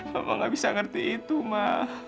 mama gak bisa ngerti itu ma